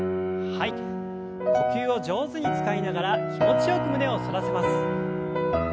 呼吸を上手に使いながら気持ちよく胸を反らせます。